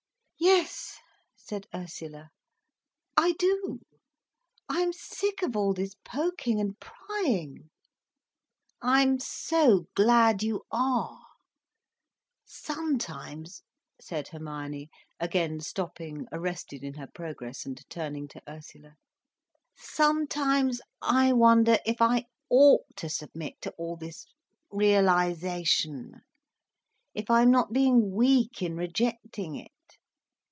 "Yes," said Ursula. "I do. I am sick of all this poking and prying." "I'm so glad you are. Sometimes," said Hermione, again stopping arrested in her progress and turning to Ursula, "sometimes I wonder if I ought to submit to all this realisation, if I am not being weak in rejecting it.